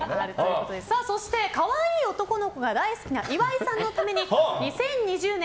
そして可愛い男の子が大好きな岩井さんのために２０２０年